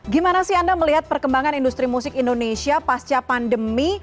gimana sih anda melihat perkembangan industri musik indonesia pasca pandemi